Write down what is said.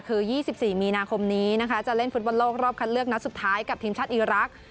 คือ๒๔มีนาคมนี้นะคะจะเล่นฟุตบอลโลกรอบคัดเลือกนัดสุดท้ายกับทีมชาติอีรักษ์